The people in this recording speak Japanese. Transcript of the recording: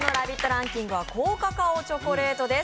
ランキングは高カカオチョコレートです。